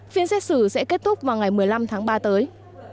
phiên xét xử sẽ kết thúc vào ngày một mươi năm tháng ba tới